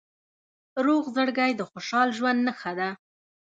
روغ زړګی د خوشحال ژوند نښه ده.